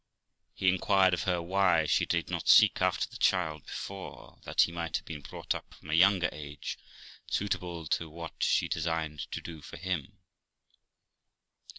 He inquired of her why she did not seek after the child before, that he might have been brought up from a younger age, suitable to what she designed to do for him.